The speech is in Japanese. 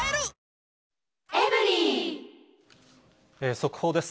速報です。